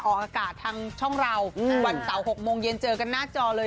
ออกอากาศทางช่องเราวันเสาร์๖โมงเย็นเจอกันหน้าจอเลย